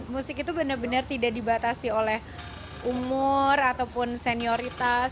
musik itu benar benar tidak dibatasi oleh umur ataupun senioritas